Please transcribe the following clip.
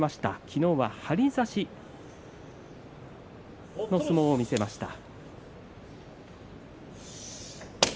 昨日は張り差しの相撲を見せました。